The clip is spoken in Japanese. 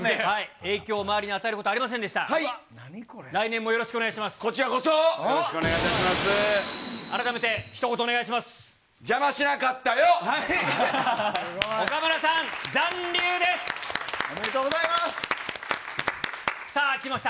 影響を回りに与えることはありませんでした。